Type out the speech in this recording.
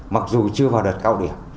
mặc dù chưa vào đợt cao điểm